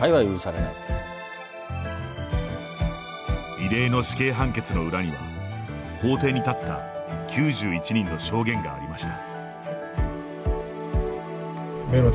異例の死刑判決の裏には法廷に立った９１人の証言がありました。